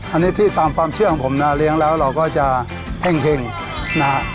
อันนี้ที่ตามความเชื่อของผมนะเลี้ยงแล้วเราก็จะเฮ่งนะฮะ